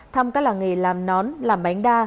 thăm các làng nghề làm nón làm bánh đa